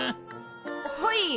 はい。